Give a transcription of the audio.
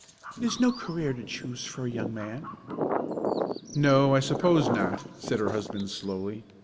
"It is no career to choose for a young man." "No, I suppose not," said her husband slowly.